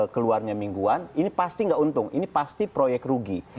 keluarnya mingguan ini pasti nggak untung ini pasti proyek rugi